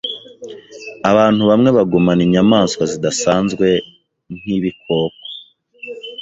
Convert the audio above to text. Abantu bamwe bagumana inyamaswa zidasanzwe nkibikoko.